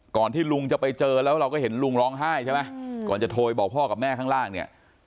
ที่ลุงจะไปเจอแล้วเราก็เห็นลุงร้องไห้ใช่ไหมก่อนจะโทรไปบอกพ่อกับแม่ข้างล่างเนี่ย